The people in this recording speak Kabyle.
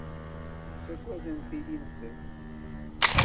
Ttaggaden tili-nsen.